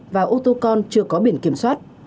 và ô tô con chưa có biển kiểm soát